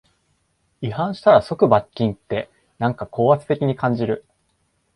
違反したら即罰金って、なんか高圧的に感じる